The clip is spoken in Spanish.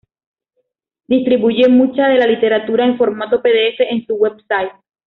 Distribuye mucha de la literatura en formato pdf en su website.